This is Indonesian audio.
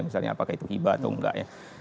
misalnya apakah itu hibah atau enggak ya